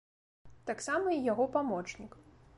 Таксама і яго памочнік.